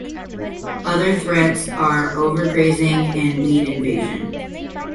Other threats are overgrazing and weed invasion.